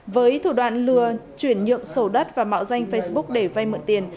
với thủ đoạn lừa chuyển nhượng sổ đất và mạo danh facebook để vay mượn tiền